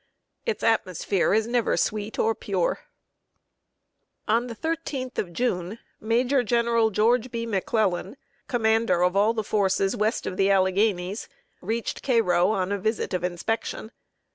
Its atmosphere is never sweet or pure. [Sidenote: GENERAL MCCLELLAN AT CAIRO.] On the 13th of June, Major General George B. McClellan, commander of all the forces west of the Alleghanies, reached Cairo on a visit of inspection.